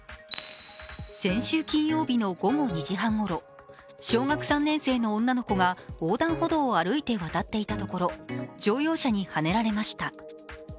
先週金曜日の午後２時半ごろ、小学３年生の女の子が横断歩道を歩いてわたっていたところ乗用車にはねられました。